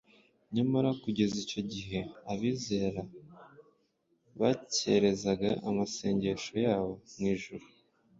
nyamara kugeza icyo gihe abizera bakerekeza amasengesho yabo mu ijuru,